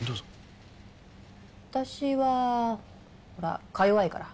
私はほらか弱いから。